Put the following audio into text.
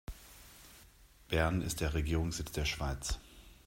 Bern ist der Regierungssitz der Schweiz.